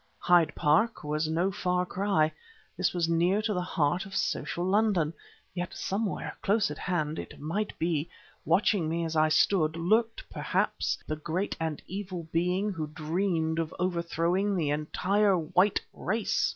Hyde Park was no far cry, this was near to the heart of social London; yet, somewhere close at hand, it might be, watching me as I stood lurked, perhaps, the great and evil being who dreamed of overthrowing the entire white race!